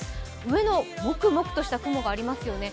上にもくもくとした雲がありますよね。